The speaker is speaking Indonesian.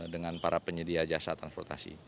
dengan para penyedia jasa transportasi